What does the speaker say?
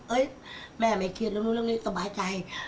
เฮ้ยแม่ไม่เกลียดโน้นเรื่องนี้สบายใจ